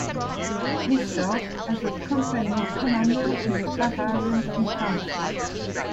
He served as a company commander in the Bavarian infantry.